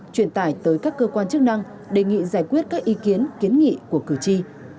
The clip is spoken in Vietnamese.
truyền tải tới các cơ quan chức năng đề nghị giải quyết các ý kiến kiến nghị của cử tri